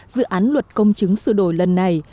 dự án luật công chứng sửa đổi lần này